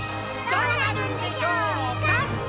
どうなるんでしょうか？